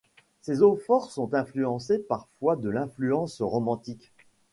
Ses eaux-forts sont influencés parfois de l'influence romantique.